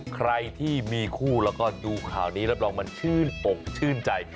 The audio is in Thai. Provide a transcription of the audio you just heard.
ใครที่มีคู่แล้วก็ดูข่าวนี้รับรองมันชื่นอกชื่นใจ